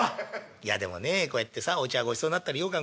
「いやでもねこうやってさお茶ごちそうなったりようかん